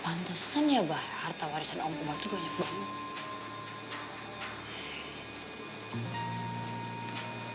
pantesan ya bah harta warisan om kobar tuh banyak banget